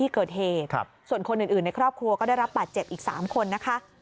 คนอื่นในครอบครัวก็ได้รับปัดเจ็บอีก๓คนนะคะ